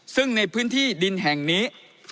ซึ่งในพื้นที่ดินแห่งนี้